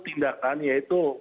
melakukan tindakan yaitu